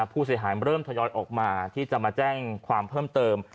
ผู้เสียหายเริ่มทยอยออกมาที่จะมาแจ้งความเพิ่มเติม